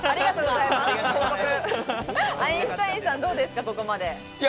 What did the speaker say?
アインシュタインさん、どうですか？